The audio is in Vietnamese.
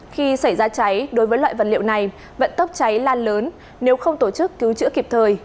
khi xảy ra cháy đối với loại vật liệu này vận tốc cháy lan lớn nếu không tổ chức cứu chữa kịp thời